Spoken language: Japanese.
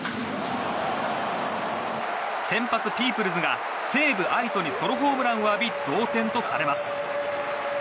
先発、ピープルズが西武、愛斗にソロホームランを浴び同点とされます。